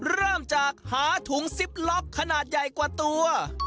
เริ่มจากหาถุงซิปล็อกขนาดใหญ่กว่าตัว